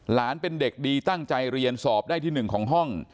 เป็นเด็กดีตั้งใจเรียนสอบได้ที่๑ของห้อง